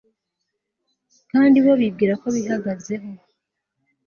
kandi bo bibwiraga ko bihagazeho